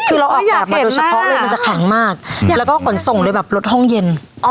คือเราออกแบบมาโดยเฉพาะเลยมันจะแข็งมากแล้วก็ขนส่งเลยแบบลดห้องเย็น